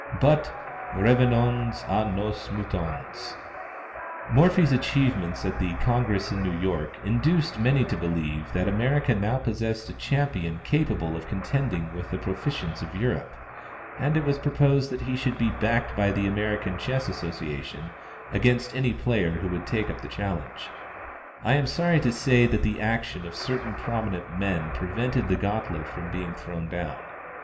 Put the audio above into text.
But revenons à nos moutons. Morphy's achievements at the Congress in New York induced many to believe that America now possessed a champion capable of contending with the proficients of Europe, and it was proposed that he should be backed by the American Chess Association against any player who would take up the challenge. I am sorry to say that the action of certain prominent men prevented the gauntlet being thrown down.